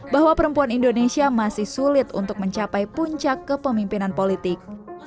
bahwa perempuan indonesia masih sulit untuk mencapai puncak kepemimpinan politik